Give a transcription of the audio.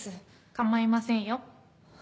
構いませんよ。